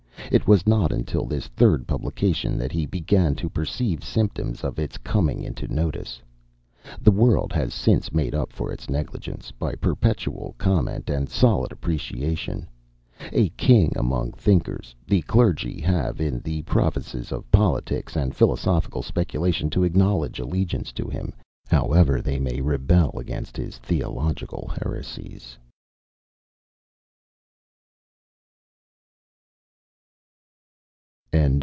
It was not until this third publication that he "began to perceive symptoms of its coming into notice." The world has since made up for its negligence, by perpetual comment and solid appreciation. A king among thinkers, the clergy have in the provinces of politics and philosophical speculation to acknowledge allegiance to him, however they may rebel against his theological heresies.